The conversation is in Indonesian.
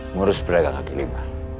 ngurus beragam kaki lima